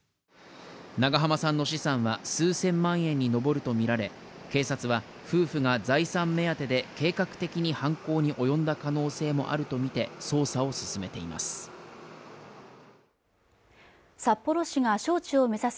長濱さんの試算は数千万円に上るとみられ警察は夫婦の財産目当てで計画的に犯行に及んだ可能性もあると見て捜査を進めています